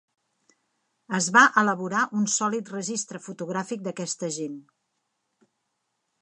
Es va elaborar un sòlid registre fotogràfic d'aquesta gent.